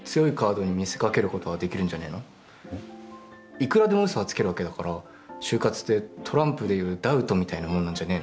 いくらでもうそはつけるわけだから就活ってトランプでいうダウトみたいなもんなんじゃねえの。